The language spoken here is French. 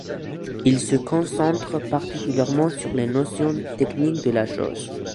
Il se concentre particulièrement sur les notions techniques de la chose.